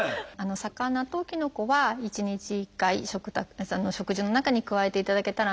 魚ときのこは１日１回食事の中に加えていただけたらなと思います。